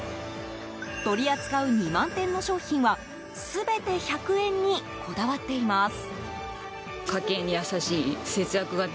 取り扱う２万点の商品は全て１００円にこだわっています。